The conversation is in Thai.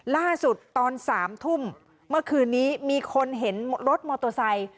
ล่าสุดตอน๓ทุ่มเมื่อคืนนี้มีคนเห็นรถมอเตอร์ไซค์